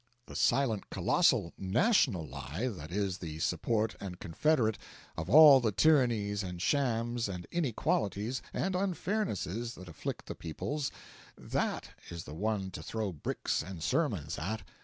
The silent colossal National Lie that is the support and confederate of all the tyrannies and shams and inequalities and unfairnesses that afflict the peoples that is the one to throw bricks and sermons at.